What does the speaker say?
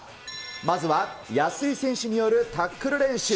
まずは、安井選手によるタックル練習。